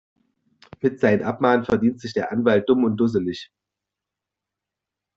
Mit seinen Abmahnungen verdient sich der Anwalt dumm und dusselig.